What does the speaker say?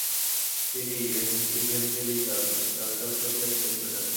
তিনি evangelical church of Prussia থেকে সরে আসেন।